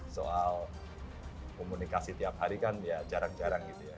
soal komunikasi tiap hari kan ya jarang jarang gitu ya